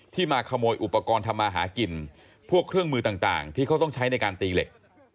มาขโมยอุปกรณ์ทำมาหากินพวกเครื่องมือต่างที่เขาต้องใช้ในการตีเหล็ก